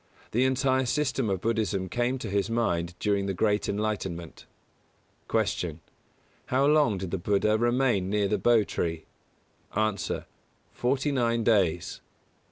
The entire system of Buddhism came to his mind during the Great Enlightenment. 176. Q. How long did the Buddha remain near the Bo tree? A. Forty nine days.